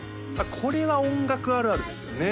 これは音楽あるあるですよね